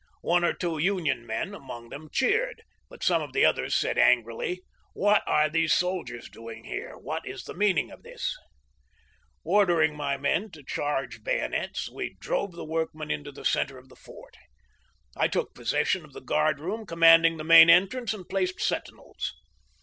One or two Union men among them cheered, but some of the others said angrily :" What are these soldiers doing here ? what is the meaning of this ?" Ordering my men to charge bayonets, we drove the workmen into the center of the fort. I took possession of the guard room commanding the main entrance and placed sentinels.